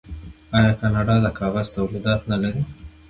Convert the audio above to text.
آیا کاناډا د کاغذ تولیدات نلري؟